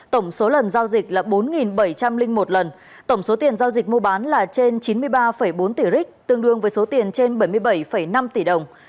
tổng số lần giao dịch là bốn bảy trăm linh một lần tổng số tiền giao dịch mua bán là trên chín mươi ba bốn tỷ rich tương đương với số tiền trên bảy mươi bảy năm tỷ đồng